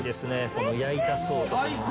この焼いた層とこのね。